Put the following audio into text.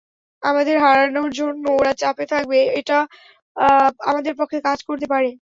আমাদের হারানোর জন্য ওরা চাপে থাকবে, এটা আমাদের পক্ষে কাজ করতে পারে।